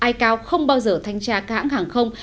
icao không bao giờ thanh tra các hãng hàng không